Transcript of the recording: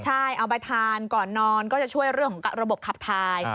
ใช่เอาไปทานก่อนนอนก็จะช่วยเรื่องของระบบขับทาย